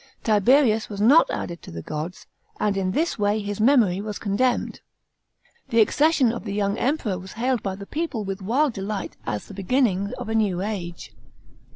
Tiberius was not added to the gods, and in this way his memory was condemned. § 2. The accession of the young Emperor was hailed by the people with wild delight as the beginning of a new age.